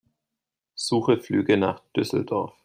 Suche Flüge nach Düsseldorf.